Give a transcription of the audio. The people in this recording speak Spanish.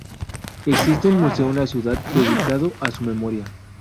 Existe un museo en la ciudad dedicado a su memoria.